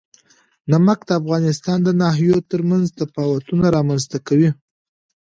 نمک د افغانستان د ناحیو ترمنځ تفاوتونه رامنځ ته کوي.